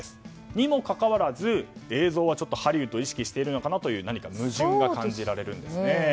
にもかかわらず映像はハリウッドを意識しているのかなという何か矛盾が感じられるんですね。